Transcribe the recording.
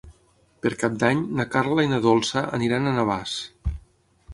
Per Cap d'Any na Carla i na Dolça aniran a Navàs.